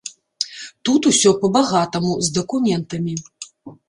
Тут усё па-багатаму, з дакументамі.